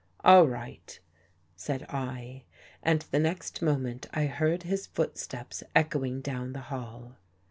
" All right," said I, and the next moment I heard his footsteps echoing down the hall.